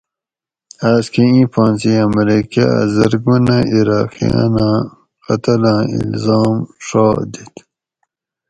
آس کہ اِیں پھانسی امریکا ھہ زرگونہ عراقیاںاں قتلاں الزام ڛا دِت